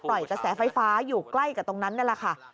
กระแสไฟฟ้าอยู่ใกล้กับตรงนั้นนั่นแหละค่ะ